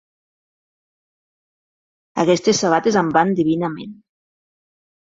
Aquestes sabates em van divinament.